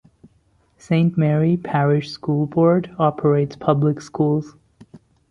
Saint Mary Parish School Board operates public schools.